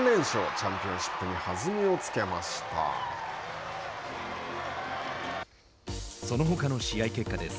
チャンピオンシップにそのほかの試合結果です。